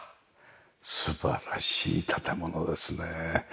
素晴らしい建物ですね。